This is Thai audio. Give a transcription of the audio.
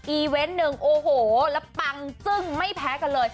เวนต์หนึ่งโอ้โหแล้วปังจึ้งไม่แพ้กันเลย